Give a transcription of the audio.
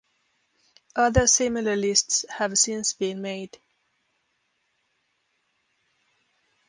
Other similar lists have since been made.